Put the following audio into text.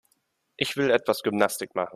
Ich will etwas Gymnastik machen.